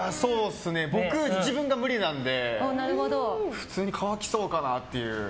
僕、自分が無理なので普通に乾きそうかなっていう。